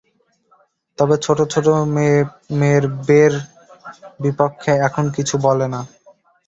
তবে ছোট ছোট মেয়ের বে-র বিপক্ষে এখন কিছু বলো না।